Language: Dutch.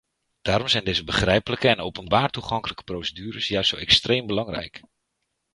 Daarom zijn deze begrijpelijke en openbaar toegankelijke procedures juist zo extreem belangrijk.